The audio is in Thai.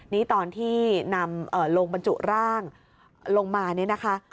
นี่ตอนที่นำลงบรรจุร่างลงมาเนี่ยนะคะ